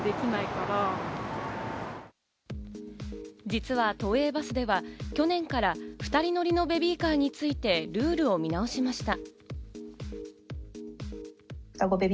実は都営バスでは去年から２人乗りのベビーカーについて、ルールを見直しました。